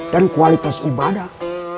dan kualitas ibadah